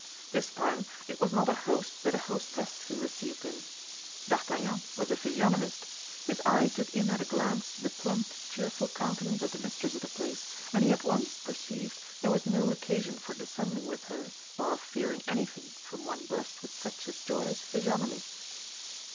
This time it was not a host but a hostess who received him. D'Artagnan was a physiognomist. His eye took in at a glance the plump, cheerful countenance of the mistress of the place, and he at once perceived there was no occasion for dissembling with her, or of fearing anything from one blessed with such a joyous physiognomy.